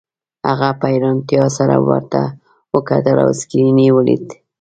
هغه په حیرانتیا سره ورته وکتل او سکرین یې ولید